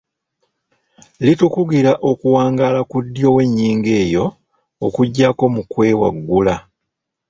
Litukugira okuwangaala ku ddyo w’ennyingo eyo okuggyako mu kyewaggula.